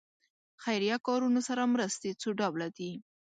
خیریه کارونو سره مرستې څو ډوله دي.